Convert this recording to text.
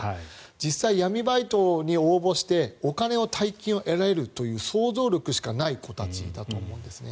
実際、闇バイトに応募してお金、大金を得られるという想像力しかない子たちだと思うんですね。